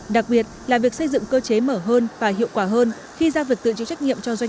đặc biệt là việc xây dựng cơ chế mở hơn và hiệu quả hơn khi ra việc tự chịu trách nhiệm cho doanh